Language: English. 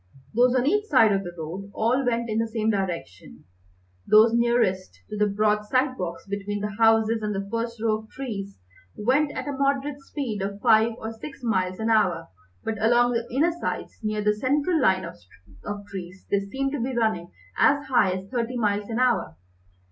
Those on each side of the road all went in the same direction. Those nearest to the broad side walks between the houses and the first row of trees went at a moderate speed of five or six miles an hour, but along the inner sides, near the central line of trees, they seemed to be running as high as thirty miles an hour.